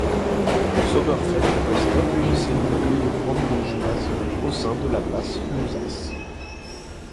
Sommerfeld resta une seigneurie brandebourgoise au sein de la Basse-Lusace.